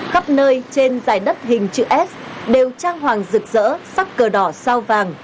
khắp nơi trên dài đất hình chữ s đều trang hoàng rực rỡ sắc cờ đỏ sao vàng